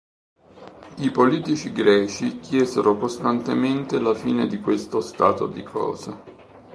I politici greci chiesero costantemente la fine di questo stato di cose.